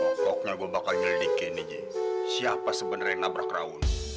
pokoknya gue bakal ngelidikin ji siapa sebenarnya yang nabrak raul